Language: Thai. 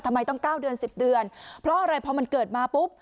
ทำไมต้อง๙เดือน๑๐เดือนเพราะอะไรพอมันเกิดมาปุ๊บ